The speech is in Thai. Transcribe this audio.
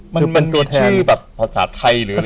มันเป็นชื่อแบบภาษาไทยหรืออะไร